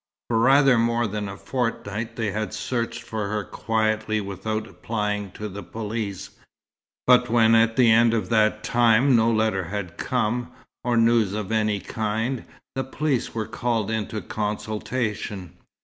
For rather more than a fortnight, they had searched for her quietly without applying to the police; but when at the end of that time, no letter had come, or news of any kind, the police were called into consultation.